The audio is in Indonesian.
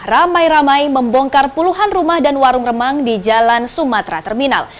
ramai ramai membongkar puluhan rumah dan warung remang di jalan sumatera terminal